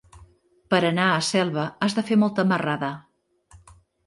Per anar a Selva has de fer molta marrada.